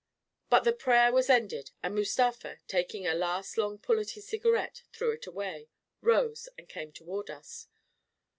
But the prayer was ended, and Mustafa, taking a last Idjfe pull at his cigarette, threw it away, rose and came toward us.